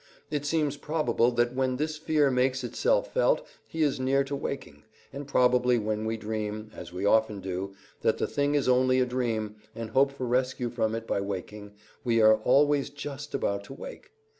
It seems probable that when this fear makes itself felt he is near to waking; and probably when we dream, as we often do, that the thing is only a dream, and hope for rescue from it by waking, we are always just about to wake.